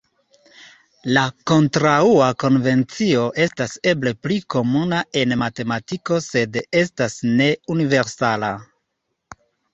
La kontraŭa konvencio estas eble pli komuna en matematiko sed estas ne universala.